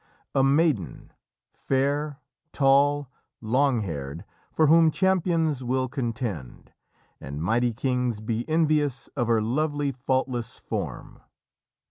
"A maiden fair, tall, long haired, for whom champions will contend ... and mighty kings be envious of her lovely, faultless form."